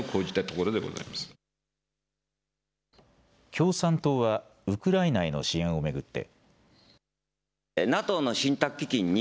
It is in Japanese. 共産党はウクライナへの支援を巡って。